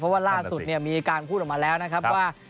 เพราะว่าล่าสุดมีการพูดออกมาแล้วนะครับว่า